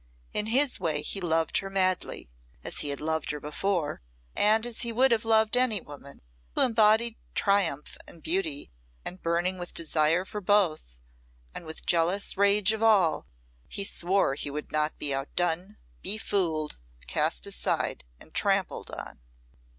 In his way he loved her madly as he had loved her before, and as he would have loved any woman who embodied triumph and beauty; and burning with desire for both, and with jealous rage of all, he swore he would not be outdone, befooled, cast aside, and trampled on.